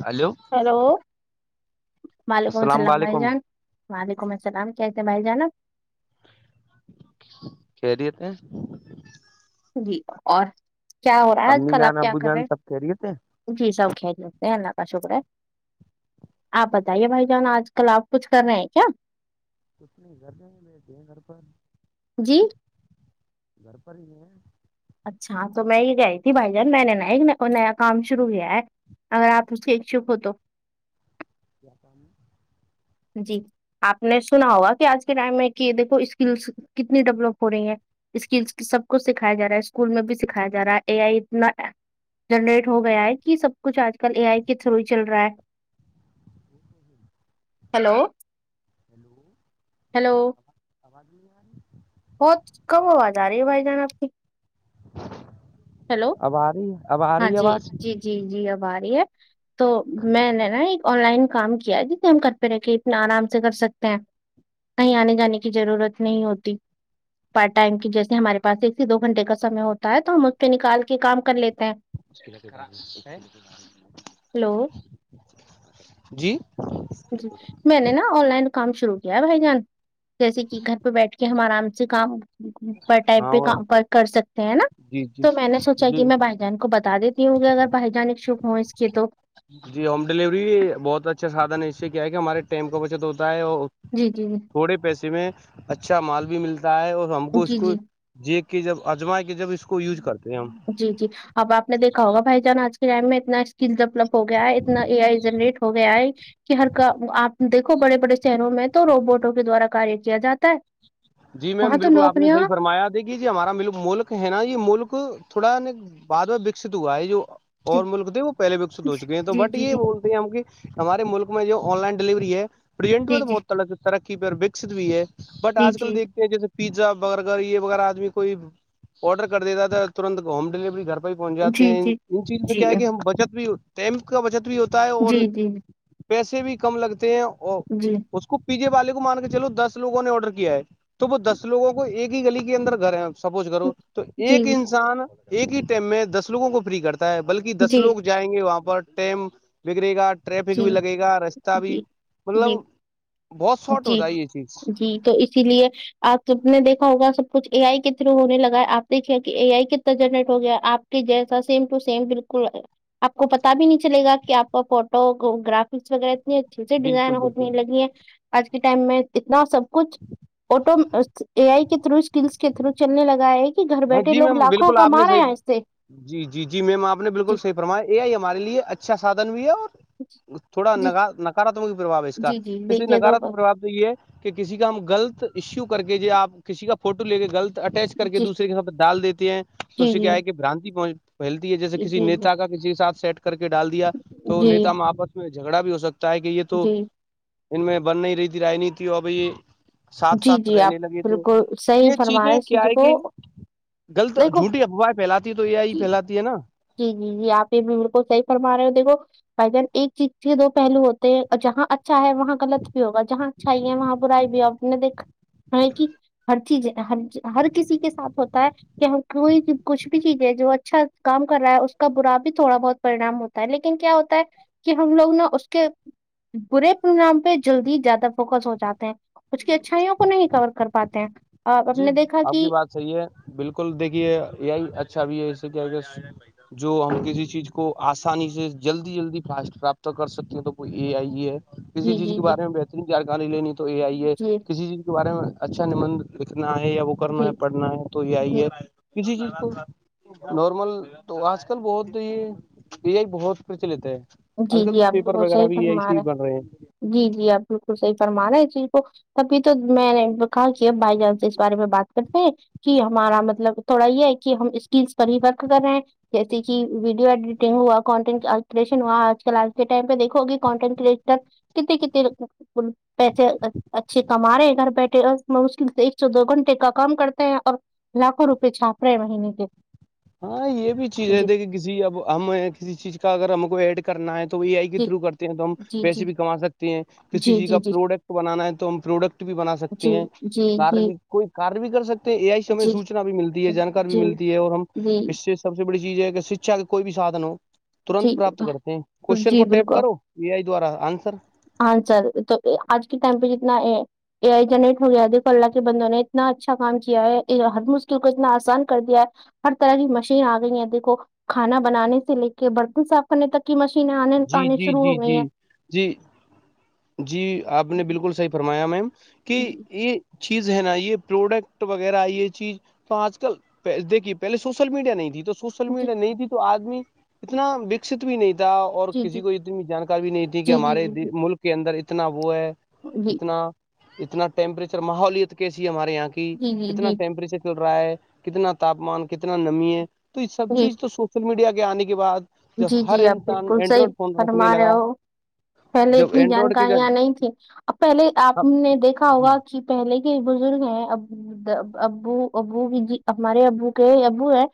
Hello hello وعلیکم السلام بھائی جان وعلیکم السلام کیا تھ ہیں بھائی جان آب کہری تھ ہیں جی اور کیا ہو رہا ہے آج امی کل جان آپ کیا ابو کر جان سب خیریت ہیں رہے جی سب کھیل لیکتے ہیں اللہ کا شکر ہے آپ بتائیے بھائی جان آج کل آپ کچھ کر رہے ہیں کیا اتنے گھر گ بی د ہیں گھر پر جی گر پ رہ میں اچھا تو میں یہ گئی تھی بھائی جان میں نے نا ایک نیا کام شروع کیا ہے اگر آپ سے ایک چک ہو تو جاپان جی آپ نے سنا ہوگا کہ آج کے ٹائم میں کہ دیکھو اسکلس کتنی ڈیولپ ہو رہی ہیں اسکلس سب کچھ سکھایا جا رہا ہے اسکول میں بھی سکھایا جا رہا ہے اے آئی اتنا جنریٹ ہو گیا ہے کہ سب کچھ آج کل اے آئی کے تھرو ہی چل رہا ہے ہیلو ہیلو ہیلو [inaudible] بہت کم آواز آ رہی ہے بھائی جان آپ کی ہیلو اب آ رہی ہے، اب آ ہاں رہی ہے جی آواز جی جی جی اب آ رہی ہے تو میں نے نا ایک آن لائن کام کیا ہے جتنے ہم کرتے رہ کے اتنا آرام سے کر سکتے ہیں کہیں آنے جانے کی ضرورت نہیں ہوتی پارٹ ٹائم کی جیسے ہمارے پاس ایک سے دو گھنٹے کا سمے ہوتا ہے تو ہم اس پہ نکال کے کام کر لیتے ہیں ہیلو جی جی میں نے نا آن لائن کام شروع کیا ہے بھائی جان جیسے کہ گھر پہ بیٹھ کے ہمارام کام ٹائپ ہاں پہ کر سکتے ہیں نا جی جی تو میں نے سوچا کہ جی میں بھائی جہن کو بتا دیتی ہوی اگر بھجانک سوکھھ ہو اس کی تو جی ہوم ڈیلیوری بہت اچھا سادھن ہے اس سے کیا ہے کہ ہمارے ٹائم کا بچت ہوتا ہے اور جی جی جی تھوڑے پیسے میں اچھا مال بھی ملتا ہے اور ہم کو اس جی کو جی جی کے جب اجما کے جب اس کو یوز کرتے ہیں ہم جی جی اب آپ نے دیکھا ہوگا بھائی جان آج کے ٹائم میں اتنا اسکل ڈیولپ ہو گیا ہے اتنا اے آئی جنریٹ ہو گیا ہے کہ ہر کا آپ دیکھو بڑے بڑے شہروں میں تو روبوٹوں کے دوارا کاریہ کیا جاتا ہے جی وہاں میم تو بالکل آپ نے نوکریاں صحی فرمایا تھا دیکھیے ج ہمارا م ملک ہے نا یہ ملک تھوڑا بعد میں وکست ہوا ہے جو جی اور ملک تھے وہ پہلے وکست ہو چکے ہیں تو جی بٹ جی یہ جی وہ ہم کہ ہمارے ملک میں جو آن لائن ڈلیوری ہے پرزنٹ میں جی تو جی بہت طرح سے ترقی پہ اور وکست بھی ہے بٹ جی آج کل دیکھتے جیسے پیزا برگر یہ ویرہ آدمی کوئی آڈر کر دیتا تھا ترنت ہوم ڈیلیوری گھر پہنچ جاتے جی ہیں جی ان چیز میں کیا ہے جی کہ ہم بچت بھی ٹم کا بچت بھی ہوتا ہے اور جی جی پیسے بھی کم لگتے ہیں اور جی اس کو پیزے والے کو مان کے چلو دس لووں نے آرڈر کیا ہے تو وہ دس لوگوں کو ایک ہی گلی کے اندر گھرے سپوز کرو تو جی جی جی ایک انسان ایک ہی ٹیم میں دس لوگوں کو فری کرتا ہے بلکہ دس لوگ جی جائیں گے وہاں پر ٹم بگڑے گا ٹریفک بھی لگے گا رستہ بھی جی مطلب بہت شارٹ ہوتا ہے یہ چیز ج تو اسی لیے آپ سب نے دیکا ہوگا سب کچھ اے آئی کے تھرو ہونے لگا ہے آپ دیکے کہ اے آئی کتنا جنرٹ ہو گیا آپ جیسا سیم ٹو سیم بالکل آپ کو پتا بھی نہیں چلے گا کہ آپ کا فوٹو گرافکس وغیرہ اتنے اچھے سے ڈیزائن بالکل بالکل ہونے لگی ہیں آج کے ٹائم میں اتنا سب کچھ آٹو آئی کے تھرو اسکلس کے تھرو چلنے لگا ہے کہ گھر ہاں بیٹھے جی لوگ میم لاکھوں بالکل آپ نے کامار رہے ہیں صحیح ای سے جی جی جی میم آپ نے بالکل جی صحی فرمایا یہ یہ ہمارے لیے اچھا سادھن بھی ہے اور تھوڑا جی نکاراتمک پربو ہے اس کا جی جی اس لیے دیکھیے تو نکاراتمک پربؤ یہ ہے کہ کسی کا ہم گلط ایشو کر کے آپ کسی کا فوٹو لے کے گغلط اٹیچ کر کے جی دوسرا سب ڈال دیتے ہیں تو اس جی سے کیا ہے کہ جی برانتی پہنچ پھیلتی ہے جیسے کسی جی جی نیتا کا کسی کے ساتھ سیٹ کر کے ڈال دیا تو نتا ہم جی آپس میں جھگڑا بھی ہو سکتا ہے کہ یہ تو جی ان میں بن نہیں رہی تھی رانیتی اور اب یہ ساتھ جی ساتھ جی آپ رہنے لگے تو بالکل صحیح یہ فرما رہے ہیں چیزیں اس چیز کیا ہے کو کہ غط جھوٹی دیکھو افواہیں پھیلاتی ہے تو یہیا ہی پھیلاتی ہے نا یہاں پہ میرے کو صحیح فرما رہے ہو دیکھو بھائی جان ایک چیز کے لیے دو پہلو ہوتے ہیں اور جہاں چاہے وہاں غلط بھی ہوگا جہاں چاہیے وہاں برائی بھی اپ نے دیکھا ٹھیک ہے ہر کسی کے ساتھ ہوتا ہے کہ ہم کوئی چیز کچھ بھی چیز ہے جو اچھا کام کر رہا ہے اس کا برا بھی تھوڑا بہت پریشان ہوتا ہے لیکن کیا ہوتا ہے کہ ہم لوگوں نے اس کے برے پروگرام پہ جلدی زیادہ فوکس ہو جاتے ہیں اس کی اچھائیوں کو نہیں کر پاتے ہیں آپ نے دیکھا اپ کی کہ بات صحیح ہے بالکل دیکھیے یہ اچھا جو اپ کو کسی چیز کو اسانی سے جلدی جلدی رابطہ کر سکتے ہیں تو کوئی اے ای ہے کسی جی چیز جی کے جی بارے میں جی اچھا اتنا ہے یا اوپر جی میں پڑھنا ہے تو یہ ائی جی ہے کسی چیز کو نارمل تو اج کل بہت ہی یہ بہت کچھ لیتے ہیں جی جی انکل آپ پیپر بالکل وغیرہ صحیح فرما رہے ہیں جی جی اپ بالکل صحیح فرما رہے تھے کو کبھی تو میں نے بکا کیا بھائی جان اس بارے میں بات کرتے ہیں کی ہمارا مطلب تھوڑا یہ ہے کہ اس کی فریبت کر رہے ہیں جیسے کی ویڈیو ایڈیٹنگ ہوا کنٹینٹ اج کل کے ٹائم پہ دیکھو گے کانٹینٹ تک کتنی کتنی اچھی کما رہے ہیں گھر بیٹھے اور اس میں سے ایک دو گھنٹے کا کام کرتے ہیں اور لاکھوں روپے چھاپ رہے یہ بھی چیزیں جی دیکھیں کسی ہم کسی چیز کا اگر ہم کو ایڈ کرنا ہے تو وی ائی کے تھرو کرتے ہیں تو ہم جی جی ویسے بھی کما سکتے ہیں کسی جی چیز جی جی کا جی پروڈکٹ بنانا ہے تو ہم پروڈکٹ بھی بنا جی سکتے ہیں جی کار جی بھی کوئی کار نہیں کر سکتے اے ائی سی میں جی سوچنا بھی ملتی ہے جانکاری جی ملتی ہے اور ہم جی اس سے بڑی چیز ہے کہ سچ ہے کوئی بھی ساتھ نہ ہو جی کوسچن کو جی ٹیپ بالکل کرو انسر اج کی ٹیم پہ جتنا اے ائی جنٹ ہو گیا دیکھو اللہ کے بندوں نے اتنا اچھا کام کیا ہے اس کے اوپر اتنا اسان کر دیا ہے ہر طرح کی مشین گئی ہیں ابھی کو کھانا بنانے سے مل کے برتن صاف کرنے تک کی مشین انے جی پانی جی شروع جی ہو گئی ہے جی جی جی اپ نے بالکل صحیح فرمایا میں کہ جی چیز ہے نا یہ پروڈکٹ وغیرہ یہ چیز اج کل پیندے کی پہلے سوشل میڈیا نہیں تھی تو جی تو ادمی اتنا بکس بھی نہیں اور جی کسی کو بھی نہیں تھی کہ جی جی ہمارے ملک کے اندر اتنا وہ ہے جی جی اپنا اتنا ٹمپریچر ماحول ہمارے یہاں کی جی جی اتنا جی پیمپری سے گڈ بائے اتنا تابان کتنا نمی ہے تو یہ سب جی چیز تو سوشل میڈیا کے انے کے بعد جی جب جی ہر اپ انسان بالکل صحیح اینڈرائڈ فون رکھنے فرما رہے لگا ہو پہلے جب اتنی اینڈرائڈ کے جانکاریاں نہیں تھی اب پہلے ہی اپ نے دیکھا جی ہوگا کہ پہلے کے بزرگ ہے اب ابو ابو جی ہمارے ابو کے ابو ہیں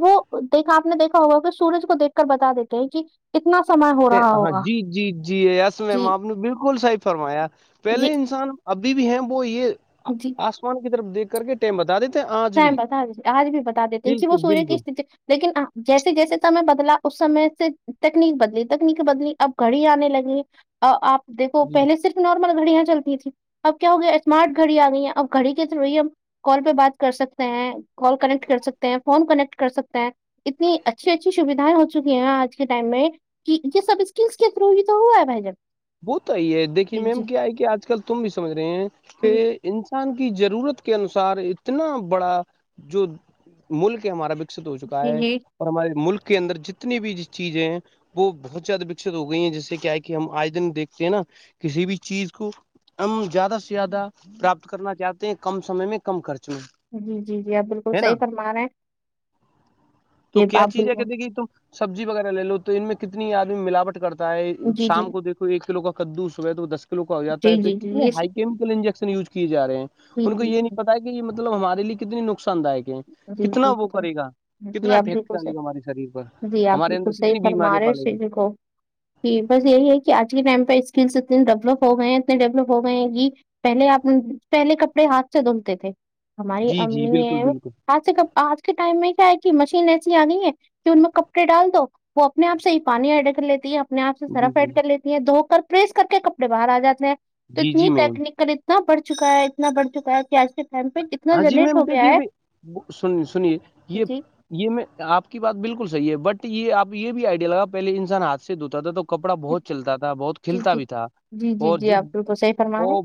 وہ دیکھ اپ نے دیکھا ہوگا کہ سورج کو دیکھ کر بتا دیتے ہیں جی اتنا سامان ہے جی جی فرمایا جی پہلے انسان ابھی بھی ہیں وہ یہ جی اسمان کی طرف دیکھ کر کے بتا دے اج بھی بتا دیتے ہیں کہ وہ بالکل سوری بالکل لیکن جیسے جیسے تھا میں بدلا اس سمے سے تکنیک بدلی تکنیک کے بدلی اب گھڑی انے لگ رہی ہے آپ دیکھو جی پہلے صرف نارمل گھڑیاں چلتی تھی اب کیا ہو گیا اسمارٹ گھڑی آ گئی ہیں اب گڑی کے تھرو ہی ہم کال پہ بات کر کر سکتے ہیں کال کنیکٹ کر سکتے ہیں فون کنیکٹ کر سکتے ہیں اتنی اچھی اچھی سویدھائیں ہو چ چک ہیں آج کے ٹائم میں یہ سب اسکلس کے تھرو ہی تو ہوا ہے بھائی جب وہ تو یہ ہے دیکھیے میم کیا ہے کہ آج کل تم بھی سمجھ رہے ہیں کہ انسان کی ضرورت کے انوسار اتنا بڑا جو ملک ہے ہمارا وکست ہو چکا جی ہے جی جی [unintelligible] اور ہمارے ملک کے اندر جتنی بھی چیزیں ہیں وہ بہت زیادہ وکست ہو گئی ہیں جیسے کیا ہے کہ ہم آج دن دیکتے ہیں نا کسی بھی چیز کو ہم زیادہ سے زیادہ پراپت کرنا چاہتے ہیں کم سمے میں کم خرچ میں جی جی جی آپ بالکل ہے نا صحیح فرما رہے ہیں [unintelligible] تو یہ کیا آپ چیز ہے کہ بالکل دیک کہ تم سبزی وغیرہ لے لو تو ان میں کتنی آدمی ملاوٹ کرتا [unintelligible] ہے جی جی شام کو دیکو ایک کلو کا کدو صبح تو دس کلو کا ہو جاتا ہے جی تو جی جی کتنے یہ ہائیکم انجیکشن یوز کیے ج رہے ہیں جی ان کو جی یہ نہیں پتا کہ یہ مطلب ہمارے لیے کتنی نقصان داک جی جی کتنا وہ کرے جی گا [unintelligible] جی آپ افیکٹ بالکل ڈالے گا ہمارے شریر پر صحی جی آپ ہمارے اندر بالکل صحیح کتنی فرما بیماریاں رہے ہو س پالے گا کو ج بس یہی ہے کہ آج کے ٹائم پہ اسکلس اتنے ڈیولپ ہو گئے ہیں اتنے ڈیولپ ہو گئے ہیں کہ پہلے آپ پہلے کپڑے ہاتھ سے دھلتے تھے ہماری جی جی امی بالکل ہیں وہ [unintelligible] بالکل آج سے کب آج کے ٹائم میں کیا ہے کہ مشین ایسی آنی ہے تو ان میں کپڑے ڈال دو وہ اپنے آپ سے ہی پانی ایڈا کر لیتی ہے اپنے آپ سے جی سرف جی ایڈ کر لیتی ہیں دھو کر پریس کر کے کپڑے باہر آ جاتے ہیں تو جی جی اتنی میم ٹیکنیکل اتنا بڑھ چکا ہے اتنا بڑھ چکا ہے کہ آج کے ٹائم پہ اتنا جنریٹ ہو گیا ہے سنیے سنیے یہ جی [unintelligible] یہ میں آپ کی بالکل صحیح ہے بٹ یہ آپ یہ بھی آئیڈیا لگا پہلے انسان ہاتھ سے دھوتا تھا تو کپڑا بہت چلتا تھا بہت جی کھلتا جی بھی تھا جی جی اور جی جس آپ بالکل صحیح فرما رہے ہیں۔ وہ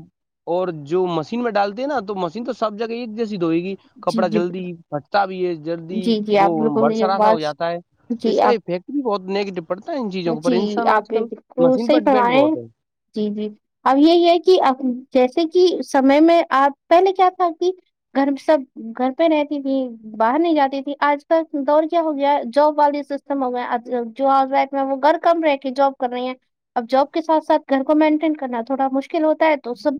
اور جو مشین میں ڈالتے ہیں نا تو مشین تو سب جگہ ایک جیسی دھوئے گی جی کپڑا جی جلدی پھٹتا بھی ہے جلدی جی جی آپ وہ بالکل یہ برسرا سا ہو بات جاتا ہے تو جی اس کا آپ افیکٹ بھی بہت نیگیٹو پڑتا ہے ان چیزوں پر جی انسان آپ آج کل بالکل مشین پر صحیح فرما ڈیپینڈ رہے ہیں بہت ہے جی جی [unintelligible] اب یہ ہے کہ اب جیسے کہ سمے میں آپ پہلے کیا کرتی گھر میں سب گھر پہ رہتی تھی باہر نہیں جاتی تھی آج کل دور کیا ہو گیا جاب والی سسٹم ہو گیا جو آ وہ گھر کم رہے کے جاب کر رہی ہیں اب جاب کے ساتھ ساتھ گھر کو مینٹین کرنا تھوڑا مشکل ہوتا ہے تو سب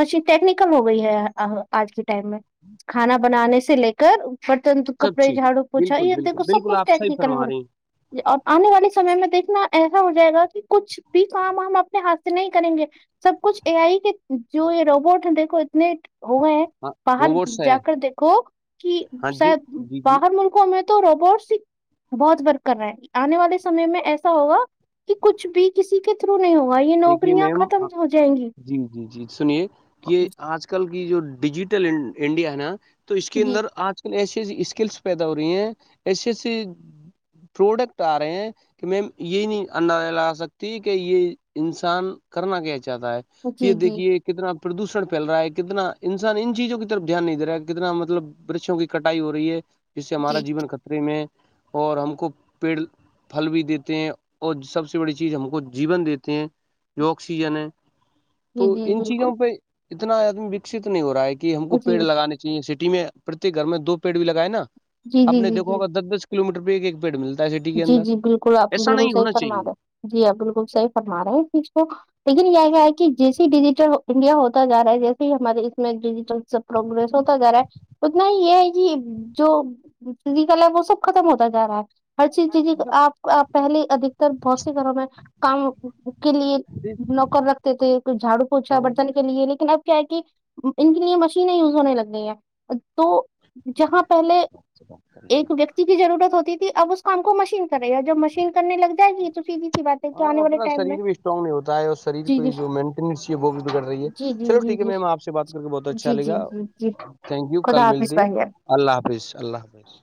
مشین ٹیکنیکل ہو گئی ہے آج کے ٹائم میں کھانا بنانے سے لے کے برتن سب کپڑے چیز جھاڑو پوچھا بالکل دیک بالکل سب بالکل کچھ آپ صحیح ٹیکنیکل ہو فرما رہے رہا ہیں ج ا آنے والے سمے میں دیکھنا ایسا ہو جائے گا کہ کچھ بھی کام ہم اپنے ہاتھ سے نہیں کریں گے سب کچھ اے آئی کے جو یہ روبوٹ ہیں دیکھو اتنے ہوئے ہیں ہاں باہر روبوٹس جا ہیں کر دیکھو کہ ہاں جی شاید جی جی باہر ملکوں میں تو روبوٹس بہت ورک کر رہا ہے آنے والے سمے میں ایسا ہوگا کہ کچھ بھی کسی کے تھرو نہیں ہوگا یہ دیکھیے نوکریاں میم ختم ہو جائیں گی جی جی جی سنیے یہ آج کل کی جو ڈیجیٹل انڈیا ہے نا تو اس کے جی اندر آج ک ایسی ایسی اسکلس پیدا ہو رہی ہیں ایسی ایسی پروڈکٹ آ رہے ہیں کہ میم یہ نہیں ان لا سکتی کہ یہ انسان کرنا کیا چاہتا ہے یہ جی جی دیکھیے کتنا پردوشن پھیل رہا ہے کتنا انسان ان چیزوں کی طرف دھیان نہیں د رہا ہے کتنا مطلب برچوں کی کٹائی ہو رہی ہے جس سے ہمارا جی جین خطرے میں ہے اور ہم کو پیڑ پل بھی دیتے ہیں اور سب سے بڑی چیز ہم کو جیون دیتے ہیں جو آکسیجن ہے جی تو جی ان بالکل چیزوں پہ اتنا آدمی وکست نہیں ہو رہا ہے کہ ہم کو جی پیڑ لگانے کا سٹی میں پرت گھر میں دو پیڑ بھی لگائے نا جی آپ جی جی دیکھو جی ہوگا دس دس کلو میٹر پہ ایک ایک پیڑ ملتا ہے سٹی کے جی اندر جی بالکل آپ نے ایسا بالکل نہیں صحیح ہونا فرما چاہیے دا جی ہاں بالکل صحیح فرما رہا ہیں اس چیز کو لیکن یہ گ ہے کہ جس ڈیجیٹل انڈیا ہوتا جا رہا ہے جیسے ہی ہمارے اس میں ڈیجیٹل پروگگرس ہوتا جا رہا ہے اتنا یہ ہے کہ جو فزیکل ہے وہ سب ختم ہوتا جا رہا ہے ہر چیز جی جی آپ پہلے ادکتر بہت سے گھروں میں کام کے لیے نوکر رکھتے تھےئی جھاڑو پوونچھا ہاں برت نہیں کے لیے لیکن اب کیا ہے کہ ان کے لیے مشینیں یوز ہونے لگ گی ہیں تو جہاں پہلے ایک ویکتی کی ضرورت ہوتی تھی اب اس کام کو مشین کرےی ہے جوب مشین کرنے لگ جائے گی تو بھی ہاں اپنا شریر بھی اسٹرانگ نہیں ہوتا ہے اور شریر جی کو جی جو مینٹینس ہے وہ بھی بگڑ رہی ہے جی جی چلو جی ٹھیک ہے جی میم آپ سے بات کر کے بہت اچھا جی لے جی گا جی جی تھینک یو کل خدا حافظ ملتی ہے بھائی اللہ حافظ اللہ حافظ